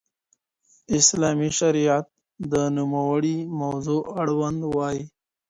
اسلامي شريعت د نوموړي موضوع اړوند وايي.